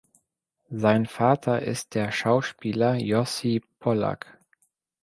Sein Vater ist der Schauspieler Yossi Pollak.